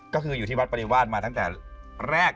ก็คืออยู่ที่วัดปริวาสมาตั้งแต่แรก